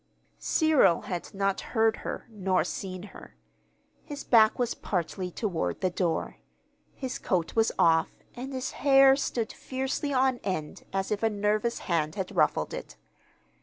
Cyril had not heard her, nor seen her. His back was partly toward the door. His coat was off, and his hair stood fiercely on end as if a nervous hand had ruffled it.